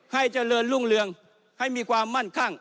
ให้เจริญรุ่งเรืองให้มีความมั่นคั่ง